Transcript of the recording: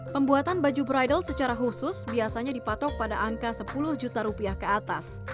pembuatan baju bridle secara khusus biasanya dipatok pada angka sepuluh juta rupiah ke atas